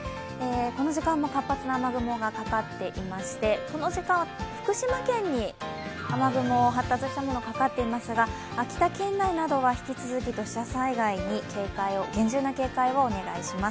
この時間も活発な雨雲がかかっていまして、この時間は福島県に雨雲が発達したものがかかっていますが、秋田県内などは引き続き土砂災害に厳重な警戒をお願いします。